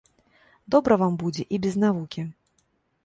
Добра вам будзе і без навукі!